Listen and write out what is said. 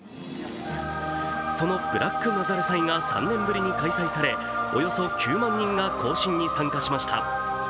そのブラックナザレ祭が３年ぶりに開催され、およそ９万人が行進に参加しました